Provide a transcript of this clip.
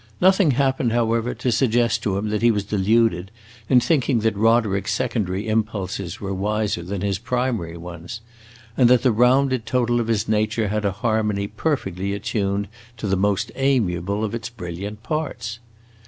Nothing happened, however, to suggest to him that he was deluded in thinking that Roderick's secondary impulses were wiser than his primary ones, and that the rounded total of his nature had a harmony perfectly attuned to the most amiable of its brilliant parts.